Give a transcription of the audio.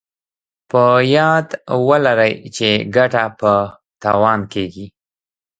په ياد ولرئ چې ګټه په تاوان کېږي.